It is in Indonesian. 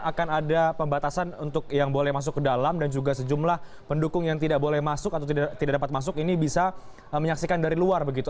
akan ada pembatasan untuk yang boleh masuk ke dalam dan juga sejumlah pendukung yang tidak boleh masuk atau tidak dapat masuk ini bisa menyaksikan dari luar begitu